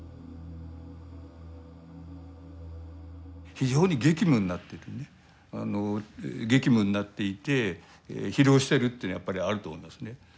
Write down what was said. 非常に激務になっていてね激務になっていて疲労しているっていうのはやっぱりあると思いますね。